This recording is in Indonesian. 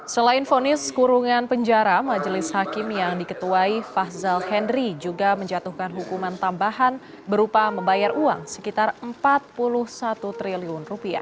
selain fonis kurungan penjara majelis hakim yang diketuai fahzal henry juga menjatuhkan hukuman tambahan berupa membayar uang sekitar rp empat puluh satu triliun